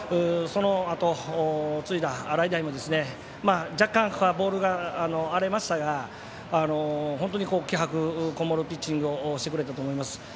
そのあとを継いだ洗平も若干ボールが荒れましたが本当に気迫こもるピッチングをしてくれたと思います。